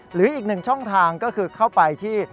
หรืออีกหนึ่งช่องทางก็คือเข้าไปที่